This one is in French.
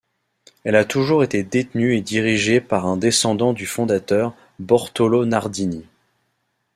Elle a toujours été détenue et dirigée par un descendant du fondateur, Bortolo Nardini.